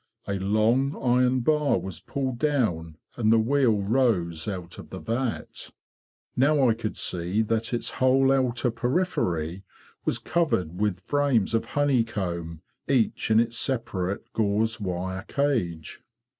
A long iron bar was pulled down and the wheel rose out of the vat. Now I could see that its whole outer periphery was covered with 60 THE BEE MASTER OF WARRILOW frames of honeycomb, each in its separate gatuze wire cage.